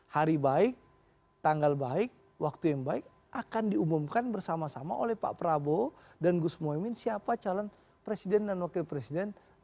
hari baik tanggal baik waktu yang baik akan diumumkan bersama sama oleh pak prabowo dan gus mohaimin siapa calon presiden dan wakil presiden